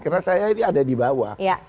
karena saya ini ada di bawah